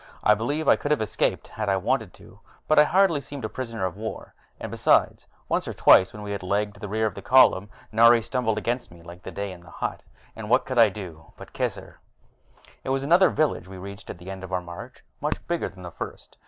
I believe I could have escaped, had I wanted to; but I hardly seemed a prisoner of war, and besides, once or twice when we had lagged to the rear of the column, Nari stumbled against me like that day in the hut, and what could I do but kiss her? It was another village we reached at the end of our march, much bigger than the first.